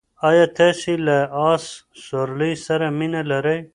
ایا تاسې له اس سورلۍ سره مینه لرئ؟